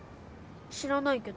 知らないけど。